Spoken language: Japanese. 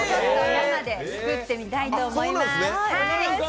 生で作ってみたいと思います。